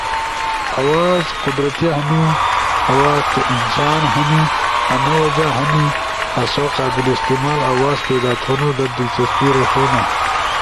آواز قدرتی ہنو، آواز د انسان ہنو، انا وجہ ہنی آسو قابل استعمال آواز پیدا تھونو در دلچسپی رݜونا!